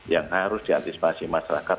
yang harus diantisipasi masyarakat